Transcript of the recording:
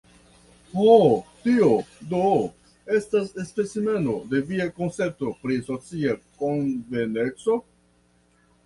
Ho, tio, do, estas specimeno de via koncepto pri socia konveneco?